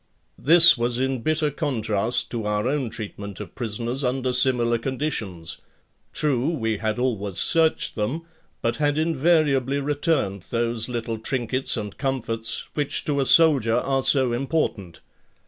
This was in bitter contrast to our own treatment of prisoners under similar conditions. True, we had always searched them but had invariably returned those little trinkets and comforts which to a soldier are so important.